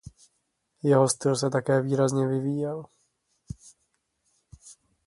Jeho styl se také výrazně vyvíjel.